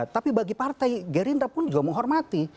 tapi bagi partai gerindra pun juga menghormati